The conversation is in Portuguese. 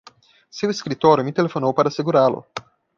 Seu escritório me telefonou para segurá-lo.